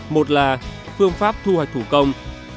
một là phương pháp thu hoạch thủ công